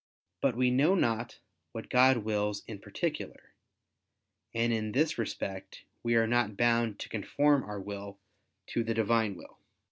But we know not what God wills in particular: and in this respect we are not bound to conform our will to the Divine will.